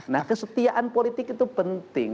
nah kesetiaan politik itu penting